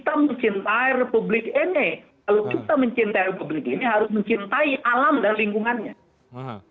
kalau kita mencintai republik ini harus mencintai alam dan lingkungannya